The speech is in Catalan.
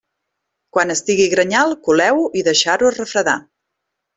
Quan estigui grenyal, coleu-ho i deixar-ho refredar.